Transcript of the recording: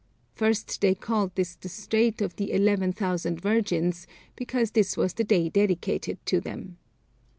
First they called this the Strait of the Eleven Thousand Virgins, because this was the day dedicated to them.